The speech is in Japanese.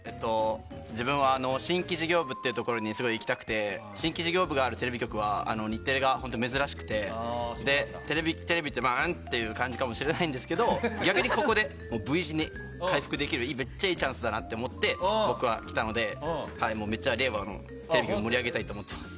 自分は新規事業部というところにすごい行きたくて新規事業部があるテレビ局は日テレが珍しくて、テレビってバーンっていう感じかもしれないですけど逆にここでＶ字に回復できるめっちゃいいチャンスだと思って僕は来たので、めっちゃ令和のテレビ局を盛り上げたいと思っています。